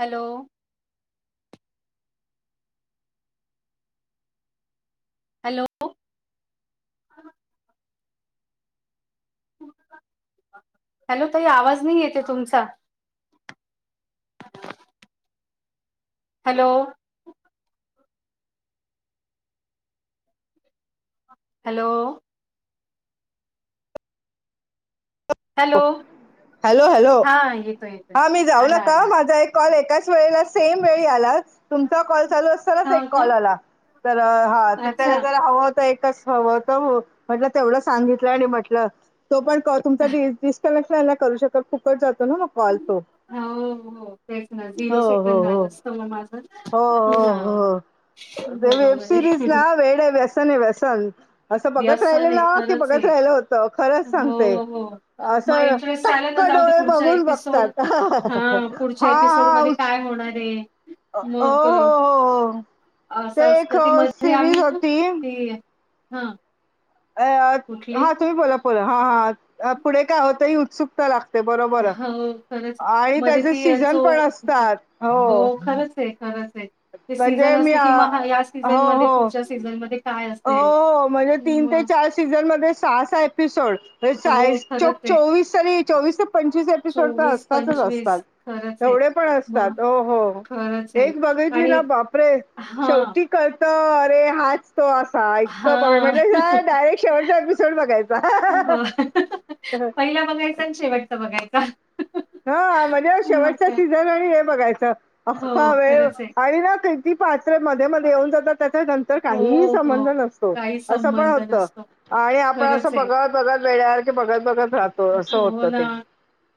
Hello! Hello! Hello ताई आवाज नाही येत ये तुमचा hello! Hello! Hello hello hello हा येतोय येतोय हा मी जाऊ आला नका आला आला. माझा एक कॉल एकाच वेळेला सेम वेळी आला तुमचा कॉल चालू असतानाच एक हा कॉल का आला तर हा त्या अच्छा त्यानंतर हवं होत एकच हव तर हो म्हटलं तेवढं सांगितलं आणि म्हटलं तो पण कॉल तुमचा डि स कनेक्ट नाही ना करू शकत फुकट जातो ना मग कॉल तो हो हो तेच ना झिरो हो हो सेकंड हो आलं असत म माझं हो हो हा हो ते वेब बरोबर सिरीज आहे ना वेड हाय व्यसन आहे व्यसन असं बघत व्यसन राहिलं आहे ना की खरंच बघत आहे राहिलं होतं खरंच सांगतेय हो हो असं [inaudible] टक्क जाऊ दे डोळे पुढच्या बघून एपिसोड बघतात हा पुढच्या हा एपिसोड हा मध्ये काय होणारये ओ हो मग हो हो ते असं एक असलं ती मध्ये सिरीज आम्ही ना होती ती हा! अ कुठली? हा तुम्ही बोला बोला हा हां पुढे काय होतं ही उत्सुकता लागते ते बरोबर हो खरंच आणि मध्ये त्याचे ती सीझन पण असतात हो खरच आहे खरच आहे ते सीझन म्हणजे मी असल अ कि या सीझन हो मध्ये हो पुढच्या सीझन मधे हो म्हणजे तीन ते चार सीझन मध्ये सहा सहा एपिसोड ते साय हो खरंच चोक आहे. चोवीस तरी चोवीस ते पंचवीस एपिसोड तर चोवीस, असतातच असतात पंचवीस खरंच आहे. एवडे पण मग असतात हो हो एक बघितली ना बापरे! हा! शेवटी कळत अरे हाच तो असा इतक बघ हां. म्हटल काय डारेक्ट शेवटचा एपिसोड बघायचा. हो पहिला बघायचा आणि शेवटचा बघायचा. हा म्हजे मग शेवटचा काय. सीझन आणि हे बघायचं अख्खा हो वेळ खरंच आहे. आणि ना ती पात्र मध्ये, मध्ये येऊन जातात त्याच्या नंतर काहीही हो, हो. सबंध नस तो काही असं पण संबंध होत नसतो. आणि आपण खरंच असं आहे. बघत बघत वेड्यासारखे बघत बघत राहो हो ना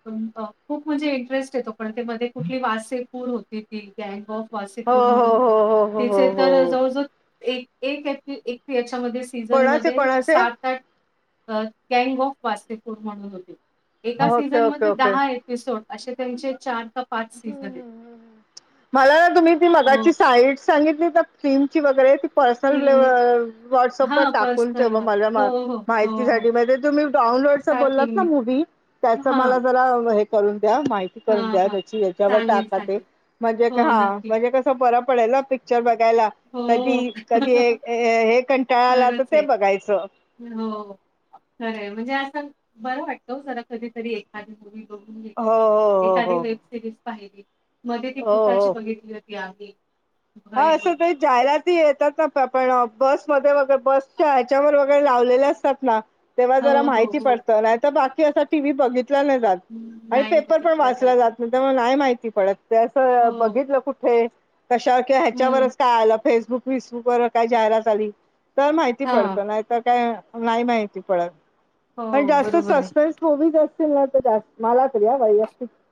खूप म्हणजे इंटरेस्ट येतो पण ते मध्ये कुठली वासे पूर होती ती गँग ऑफ हो वासेपूर म्हणून हो हो हो हो तिचे तर हो हो जवळ जवळ एक एक एपी एक याच्यामध्ये कोणाचे सीझनमध्ये कोणाचे सात आठ अ कॅग ऑफ वासेपूर म्हणून होते एका ओके ओके सीझनमध्ये ओके दहा एपिसोड असे त्यांचे चार म्हला ना तुम्ही ती हो. मगाची साईटस [unintelligible] पर्सनल ले फिल्मी वाटसअप वर हां, टाकून ठेवा पर्सनलवर. मला हो, हो, हो, माहिती हो. झाली मदे तुमी डाऊनलोड. त्याच बोललत टाकीन तना मी. मूवी त्याचं हां, मला जरा हे करून द्या माहिती करून हां, द्या हां. त्या त्याच्यावं सांगेन, टाका ते सांगेन. म्हणजे का हो, हा नक्की. म्हण ते कस बरं पडेल न पिक्चर बघायला कधी-कधी हो. हे कं टाळा आला त खरंच ते आहे. बघायचं. हो खरंय म्हणजे असं बरं वाटत वो जरा कधीतरी एखादी तरी. बघली हो हो हो एखादी वेब सिरीज पाहिली मध्ये ती हो हो भुताची हो बघितली होती आमी. हा असं काही. जाहिराती येतात ना [unintelligible] बसमध्ये वगैरे बसच्या ह्याच्यावर वगैरे लावलेले असतात ना. तेव्हा हो, जरा हो, माहिती हो. पडतं नाही तर बाकी असं टी व्ही बघितला नाही जात. [inaudible] आणि पेपर पण वाचला जात नाही, त्यां मुळे नाही माहिती पडत ते असं हो. बघितलं कुठे. कशावर कि हं. ह्याच्यावरच काय आलं फेसबुक बीसबुक वर काय जाहिरात आली. तर माहिती हां. पडत नाही तर काय नाही माहिती पडत पण हो जास्त बरोबर आहे. सस्पेनस. होवीच असेल ना त जास माला तर या वैयक्तिक [unintelligible]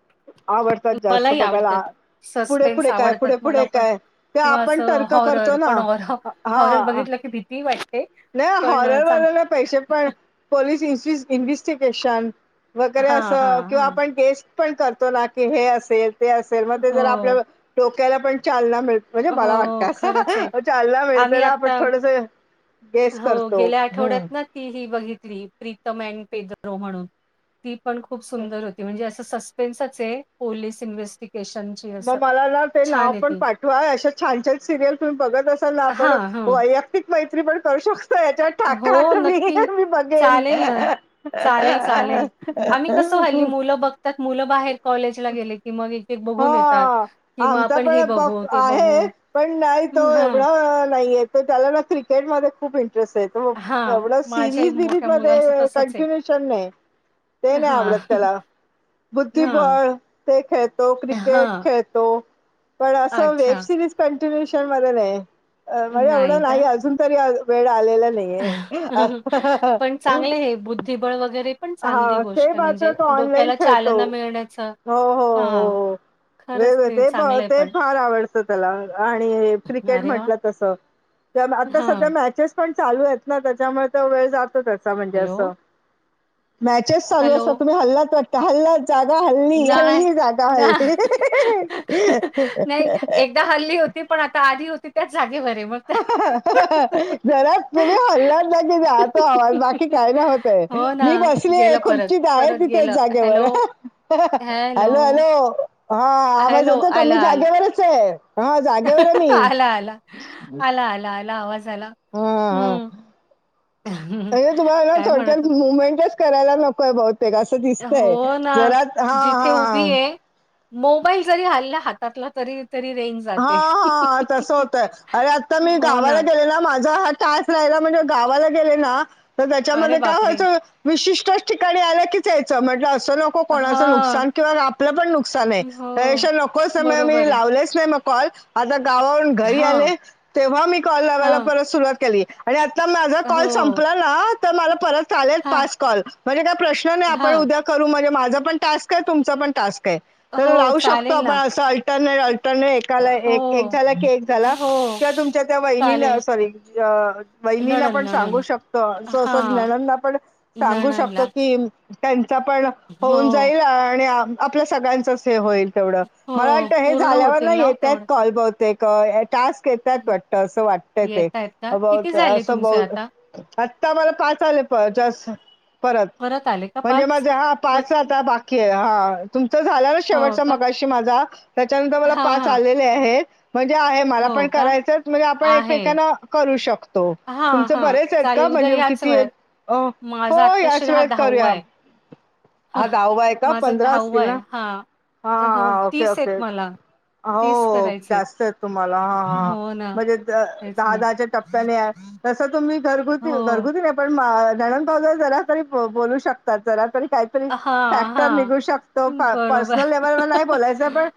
आवडतात जास्त मलाही बघायला आवडतात. पुढे, सस्पेन्स पुढे काय आवडतात पुढे, मला पुढे पण. काय. ते किंवा आपण असं तर्क हॉरर करतो ना पण हॉर अ हॉरर हा. बघितलं की भीती वाटते. लय पण अ, हॉरर चांग वाल्याला पैसे पण पोलीस इस वीस इन्व्स्टिकेशन वगैरे हां, हां, असं किंवा हां. आपण केस पण करतो ना की हे असेल ते असेल मग ते जर आपल्या हो, डोक्याला पण चालना मिळत. म्हणजे मला वाटतं हो खरंच आहे. अस चालला मिळते आम्ही ना आपण आता थोडस. गेस हो करतो गेल्या आठवड्यात हूं! ना ती ही बघितली प्रीतम अँड पेजरो म्हणून. ती पण खूप सुंदर होती म्हणजे असं सस्पेन्सच हे पोलीस इन्व्हेस्टिगेशन. म मला ना ते नाव पण पाठवा अशा छान, छान. सिरियल तुम्ही बघत असाल ना आपण हां, हां. वैयक्तिक मैत्री पण करू शकतो याच्यात. काका हो आता मी नक्की. ही मी बघेन. चालेल ना. चालेल, त्यात मुलं बाहेर कॉलेज ला गेले की मग ये. हा आमचा पण बघू, ते बघू. आहे पण [unintelligible] नाही तो हं, हां. एवढा नाही येत. तर त्याला ना क्रिकेटमध्ये खूप इंटरेस्ट हेत. हां, एवढं माझ्याही सिरीज बीरीज मोठ्या मुलाचं मध्ये तसंच आहे. कंटिन्युशन नाही. ते नाही हां, आवडत त्याला. हां. बुद्धिबळ ते खेळतो. क्रिकेट हां, खेळतो. पण असं वेब अच्छा. सिरीज कंटिन्युशन मध्ये नाही. अ म एवढं नाही. अजून तरी वेड आलेल नाही. पण चांगले हे. बुद्धिबळ वगैरे पण चांगली हा ते गोष्टय मात्र म्हणजे. तो ऑनलाईन डोक्याला खेळतो चालना मिळण्याच. ह. वेळ ते प ते फार आवडतं त्याला. आणि हे क्रिकेट अरे वाह! म्हटलं तस. त्या आता सध्या हां, मॅचेस पण चालू आहेत ना. त्याच्यामुळे तर वेळ जातो त्याचा. म्हणजे हॅलो, असं. मॅचेस चालू असत हॅलो. तुम्ही हल्लात वाटत. हल्लात जागा हल्ली नाही, हल्ली जागा. ना नाही [unintelligible] एकदा हल्ली होती. पण आता आधी होती त्याच जागेवर. मग त्या जरा तुम्ही हल्ल्यात जागी जातो आवाज. बाकी काय ना होतंय. हो ना, मी बसलीये. गेलं परत. खुर्चीत आहे परत तिथेच गेलं. हॅलो, जागेवर. Hello hello. हा आवाज हॅलो. येतो का? आलं, मी आलं. जागेवरचे. हा जागेवर मी. आला, आला, आला, आला. आवाज आला. हम्म. अरे तुम्हाला काय म्हणत थोडक्यात होते? मुमेंटच करायला नकोय बहुत तेक असं दिसतय. हो ना. जरा हा जिथे हा उभी आहे, मोबाईल जरी हला हातातला. तरी तरी रें हा हा तस होतय. अरे आता मी हो ना. गावाला गेलेला माझ्या हात तास राहिला. म्हणजे गावाला गेले ना, त अरे त्यांच्यामध्ये काय बापरे! व्हायचं विशिष्टच ठिकाणी आले कीच यायचा. म्हटलं असं नको कोणाच हां. नुकसान. किंवा आपलं पण नुकसाने. हो. त्या पेक्षा नको स. मी बरोबर आहे. लावलेच नाही मग कॉल. आता गावावरून घरी हां, आले. तेव्हा मी कॉल लावायला हां. परत सुरुवात केली. आणि आता माझा हो. कॉल संपला ना, तर मला परत चालेल हां, पाच कॉल. म्हणजे काय प्रश्न नाही. आपण हां. उद्या करू. म्हणजे माझा पण टास्के. तुमच पण टास्क स्के. त हो, लावू शकतो चालेल ना. आपण असं अल्टरनेट अल्टरनेट. अ, एकला हो, एक. एकला एक. हो. किंवा तुमच्या त्या वहिनीला चालेल. सॉरी वहिणी‌ला नणंद, पण सांगू नणंद. शकतो. सो सो हां, नंदाना पण सांगू शकतो नणंदला. की त्यांचा पण होऊन हो. जाईल. आणि आपल्या सगळ्यांचच हे होईल. तेवड. मला हो, वाट हे पूर्ण झाल्यावर होतील ना हो नाहीयेत तेवढे. कॉल बहुतेक. टास्के वाटतात वाटतं. असं वाटतं ते. येतायत का? अ ब किती झाले सं तुमचे ब आता? आता मला पाच आले. पचास परत. आले का म्हणजे माझे हा मग पाच आता बा कीये. हा तुमचा झालं ना हो शेवटचा का? मगाशी माझा. त्याच्यानंतर मला हां, पाच हां. केले आहेत. म्हणजे आहे मला हो पण का? करायचय. म्हणजे आपण आहे. एकमेकांना करू शकतो. हां, तुमचे हां. बरेचेत का? चालेल उद्या म्हणजे याच किती ये? वेळेत. अ माझा हो आत्ताशी याच हा वेळेत करूया. आहे. हा दावाये का? माझा पंधरा असतील आहे. ना ‌? हां. हो, हा ओके आहेत ओके. मला. हो हो करायचे आहेत. जास्तय तुम्हाला. हा हा हो ना, म्हणजे तेच दहा ना. दहाच्या टप्प्याने आ तसं तुम्ही घरगुती हो. घरगुती पण नंनद भावजई जरा तरी बोलू शकतात. जरा तरी काय हां, फॅक्टर हां. निघू शकतो. बरोबर. पर्सनल लेवल वर नाही बोलायचं पण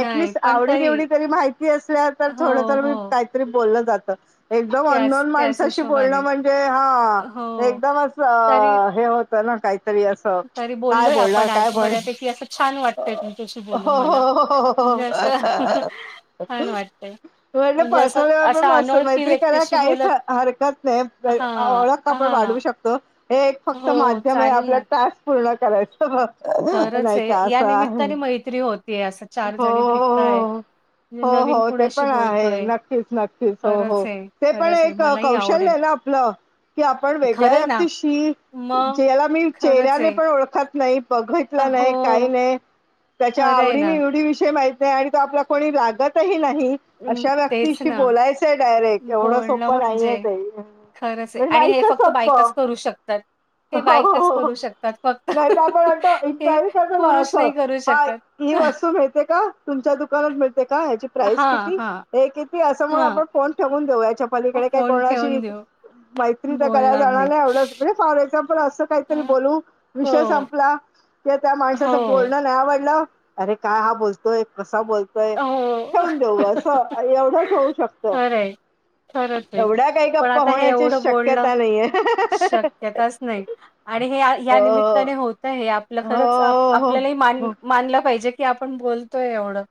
नाही, पण आवडीनवडी तरी माहिती असल्या. तर हो, थोडं तर मी हो. काहीतरी बोललं जातं. एकदम त्याच अननोन त्याच माणसाशी हिशोबाने बोलणं म्हणजे हा. हो. एकदमं अस तरी हे होत. चला काहीतरी असं तरी काय बोललोय बोलणार आपण काय आज बोलणार बऱ्यापैकी असं छान वाटतं. हो हो हो. असं छान वाटतंय. म्हटलं म्हणजे असं पर्सनल असा लेवल पण अनोळखी मैत्री करायला व्यक्तीशी काहीच बोलत हरकत नाही हां ओळख आपण वाढू हां. शकतो. हे एक फक्त हो माध्यम आहे चालेल आपला ना. टास्क पूर्ण करायचं. खरंच नाही आहे. का या असं आहे निमित्ताने मैत्री होतीये असं चार हो जणी हो भेटतायत. हो. म्हणजे हो नवीन हो ते कुणाशी पण आहे बोलतोय. नक्कीच नक्कीच हो हो खरंच आहे, ते पण खरंच आहे एक मलाही कौशल्य आवडेल. आहे ना की आपलं की आपण वेगळ्या खरंय ना व्यक्तीशी मग ज्या मी खरंच चेहऱ्या आहे. पण ओळखत नाही बघितलं हो नाही काही नाही त्यांच्या खरंय ना. आवडीनिवडी विषय माहित. नाही आणि तो आपला कोणी लागतही नाही. अं, अशा तेच व्यक्तीशी ना. बोलायचंय डायरेक्ट एवढं बोलणं सोपं नाहीये म्हणजे ते. खरंच आहे म्हणजे आणि हे फक्त बायकाच करू शकतात. हे हो बायकाच हो करू शकतात फक्त. नाही तर आपण आता हे इन्क्वायरी पुरुष कर. नाही करू हा शकत. ही वस्तू मिळते का तुमच्या दुकानात मिळते का प्राईस हां, किती हां, हे किती असं म्हणून हां. आपण फोन ठेवून देऊ याच्या पलीकडे का फोन कोणाशी ठेवून देऊ. मैत्री तर करायला जाणार नाही एवढं म्हणजे फॉर एक्झाम्पल असं अ, काहीतरी बोलू विषय हो, संपला. ते त्या माणसाचं हो, बोलणं नाही आवडलं अरे काय हा बोलतोय कसा बोल हो. ठेवून देऊस एवढंच होऊ शकत. खरय खरच आहे काही पण गप्पा आता हे होण्याची एवढं बोलणं शक्यता नाहीये शक्यताच नाही. आणि हे या हो निमित्ताने होत हे आपलं हो खरंच हो आपल्यालाही मान हो मानलं पाहिजे की आपण बोलतोय एवढं.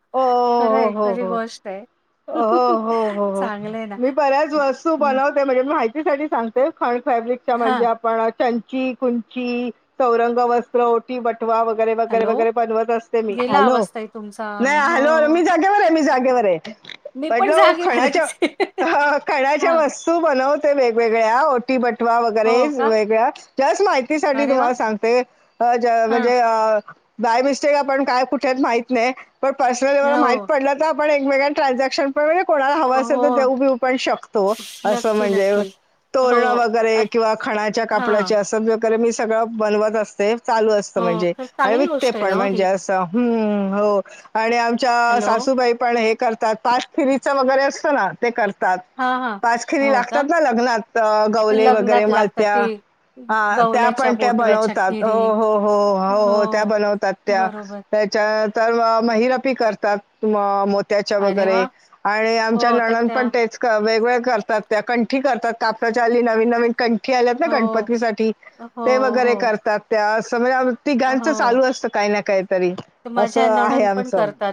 हो खरय हो खरी हो गोष्ट आहे. हो हो हो हो चांगलं आहे ना मी बऱ्याच वस्तू हम्म बनवते म्हणजे माहिती साठी सांगते खड फॅब्रिक हा म्हणजे आपण चंची कुंची चौंग वस्त्र ओटी वट बटवा वगैरे वगैरे हॅलो वगैरे बनवत असते मी गेला हॅलो. आवाज तुमचा. नाही ह हॅलो मी जागेवर आहे मी जागेवर आहे. मी पण म्हटलं खणाच्या जागेवरच आहे. हा खणाच्या हा मस्त. तू बनवते वेगवेगळ्या ओटी बटवा वगैरे हो का वेगळ्या जस्ट माहितीसाठीठी अरे वा तुम्हाला सांग ते हा म्हणजे बाय मिस्टेक आपण काय कुठेच माहित नाही. पण पर्सनली मला हो माहित पडलं तर आपण एकमेकांना ट्रान्झॅक्शन. कोणाला हवां असे हो तर देऊ बीऊ पण शकतो असं नक्की म्हणजे. नक्की हो तोरणं वगैरे अच्छा किंवा खाणाच्या हा कापड्याचे असं. मी सगळं बनवत असते चालू असत हो म्हणजे खरं आणि चांगली विकते गोष्ट आहे पण ना हो ही म्हणजे अस ् हो आणि आमच्या हॅलो सासूबाई पण तात पाठफिरीच वगैरे असत ना ते करतात. हा हा पाच खिरी हो का लागतात ना लग्नात गवले वगैरे लग्नात लागतात मालत्या ते हा त्या गवल्याच्या पण त्या बोटव्याच्या बनवतात खिरी हो हो हो हो हो त्या बनवतात त्या बरोबर. तर महिरपी करतात मो त्याच्या अरे वगैरे वाह! आणि हो आमच्या आता नणंद त्या पण तेच वेगवेगळ करतात त्या कंठी करतात काप्याच्या आली नवीन नवीन कंठी आल्यात ना हो, गणपतीसाठी. हो, ते वगैरे हो, करतात त्या असं म्हणजे ती तिघांचं हो. चालू असतं काही ना काहीतरी. माझ्या नणंद पण करतात.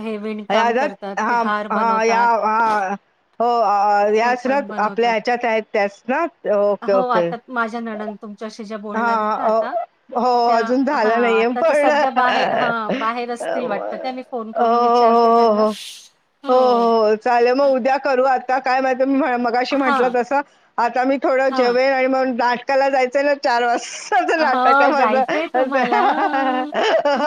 हे विणकाम अजात करतात, ते हा हार हा या बनवतात, हा. हो ते याच ना पण आपल्या बनवतात. ह्याच्यात आहेत त्यास ना ओके हो, ओके. आता माझ्या नणंद तुमच्याशी ज्या हा बोलणारेत ना आता, अ हो त्या अजून हां झाला नाहीये आता च्या पण सध्या बाहे हां, बाहेर हो असतील वाट तर त्यानी फोन हो करून विचारते हो त्यांना, हो हो. उद्या करू, आता काय माहित म-मगाशी म्हटलं हां, तसं, आता मी थोडं हां. जेवेन आणि मग जा त्याला जायचंय ना, चार वाज [unintelligible] लागत हो केव्हाचं जायचंय असं तुम्हाला. हां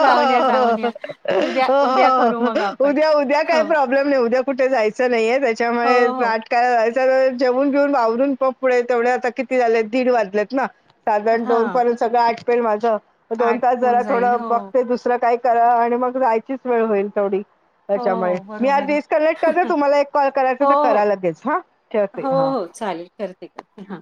जाऊन या, जाऊन या. उद्या हो उद्या करू मग हो, आपण. उद्या-उद्या हो, काय प्रॉब्लेम नाही, उद्या कुठे जायचं नाहीये हो, त्याच्यामुळे रा हो. काय झाय जेवून बिऊन आवररून, प-पुढे तेवढे, आता किती झाले?, दीड वाजलेत ना. साधारण दोन हां, पर्यंत सगळं आटपेल माझं, दोन आठ तास होऊन जरा जाईल. थोडं हो, बघते दुसरं काय थोड्यावेळान मग जायची सोय होईल, तेवडी. त्याच्यामुळे, हो मी हा बरोबर आहे. डिस्कनेक्ट करते, तुम्हाला एक कॉल करायचा, हो, तर हो. करा लगेच, हां ठेवते हो, हां. हो चालेल करते-करते हां.